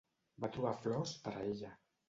Va trobar flors per a ella.